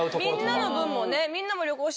みんなの分もね。